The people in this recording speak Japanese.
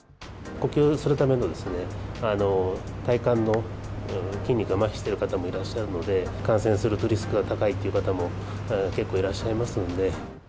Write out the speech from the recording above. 呼吸するための、体幹の筋肉がまひしている方もいらっしゃるので、感染するとリスクが高いって方も、結構いらっしゃいますので。